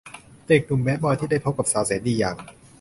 เด็กหนุ่มแบดบอยที่ได้พบกับสาวแสนดีอย่าง